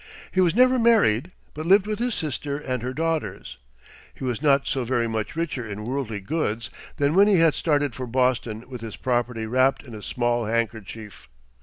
He was never married, but lived with his sister and her daughters. He was not so very much richer in worldly goods than when he had started for Boston with his property wrapped in a small handkerchief.